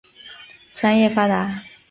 商业发达。